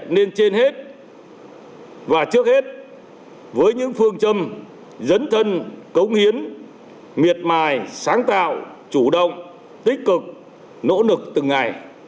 nên trên hết và trước hết với những phương châm dấn thân cống hiến miệt mài sáng tạo chủ động tích cực nỗ lực từng ngày